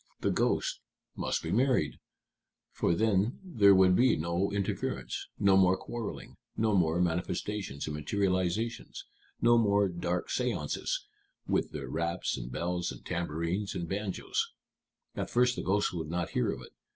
The ghosts must be married! for then there would be no more interference, no more quarreling, no more manifestations and materializations, no more dark séances, with their raps and bells and tambourines and banjos. At first the ghosts would not hear of it.